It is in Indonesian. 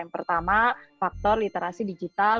pertama faktor literasi digital